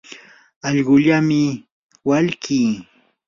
allquullami walkii.